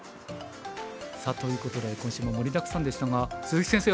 さあということで今週も盛りだくさんでしたが鈴木先生